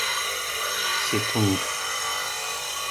Секунд